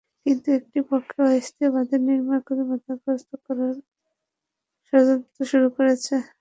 কিন্তু একটি পক্ষ অস্থায়ী বাঁধের নির্মাণকাজ বাধাগ্রস্ত করার ষড়যন্ত্র শুরু করেছে।